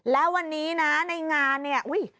และวันนี้น่ะในงานเนี่ย